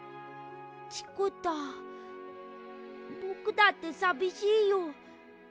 ぼくだってさびしいよ。